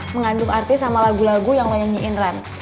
mengandung artis sama lagu lagu yang lo nyanyiin ren